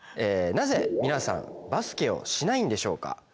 なぜ皆さんバスケをしないんでしょうか。